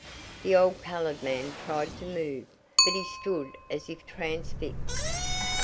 The old colored man tried to move, but he stood as if transfixed.